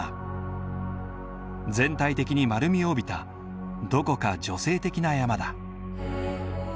全体的に丸みを帯びたどこか女性的な山だ。